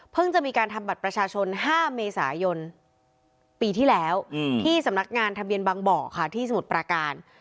จะมีการทำบัตรประชาชน๕เมษายนปีที่แล้วที่สำนักงานทะเบียนบางบ่อค่ะที่สมุทรประการ